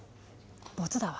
ボツだわ。